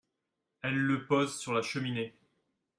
Elle le pose sur la cheminée.